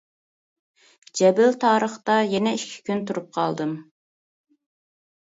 جەبىلتارىقتا يەنە ئىككى كۈن تۇرۇپ قالدىم.